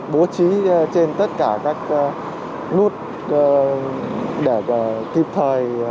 bố trí trên tất cả các nút để kịp thời